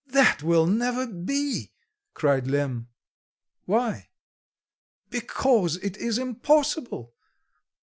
"That will never be!" cried Lemm. "Why?" "Because it is impossible.